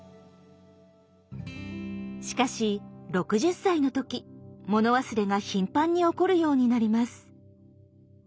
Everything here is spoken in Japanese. しかし６０歳の時物忘れが頻繁に起こるようになります。